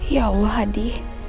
ya allah adi